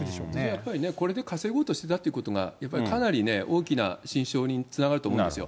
やっぱりね、これで稼ごうとしてたっていうところが、今回、かなり大きな心証につながると思うんですよ。